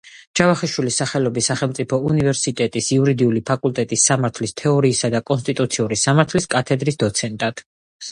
ჯავახიშვილის სახელობის სახელმწიფო უნივერსიტეტის იურიდიული ფაკულტეტის სამართლის თეორიისა და კონსტიტუციური სამართლის კათედრის დოცენტად.